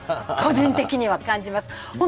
個人的には感じます。